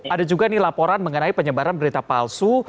ada juga nih laporan mengenai penyebaran berita palsu